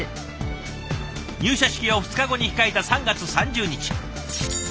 入社式を２日後に控えた３月３０日。